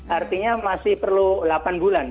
artinya masih perlu delapan bulan